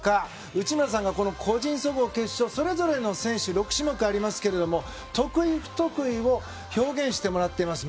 内村さんが個人総合決勝それぞれの選手６種目ありますが得意、不得意を表現してもらっています。